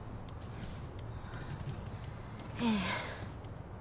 ええ。